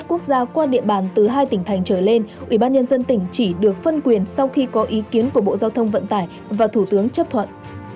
ủy ban nhân dân tỉnh chỉ được phân quyền sau khi có ý kiến của bộ giao thông vận tải và thủ tướng chấp thuận